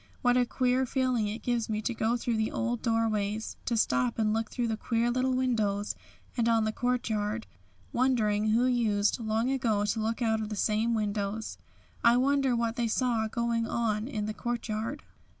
What a queer feeling it gives me to go through the old doorways, to stop and look through the queer little windows, and on the courtyard, wondering who used, long ago, to look out of the same windows. I wonder what they saw going on in the courtyard?